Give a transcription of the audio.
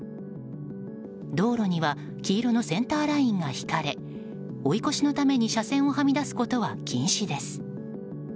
道路には黄色のセンターラインが引かれ追い越しのために車線をはみ出すことは禁止です。